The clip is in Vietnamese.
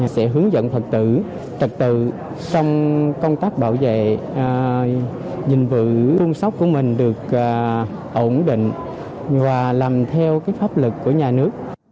sẽ hướng dẫn phật tử tật tự trong công tác bảo vệ nhìn vự phương sóc của mình được ổn định và làm theo pháp lực của nhà nước